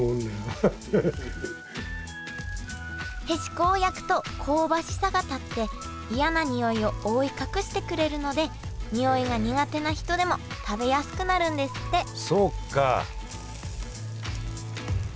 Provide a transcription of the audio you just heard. へしこを焼くと香ばしさが立って嫌なにおいを覆い隠してくれるのでにおいが苦手な人でも食べやすくなるんですって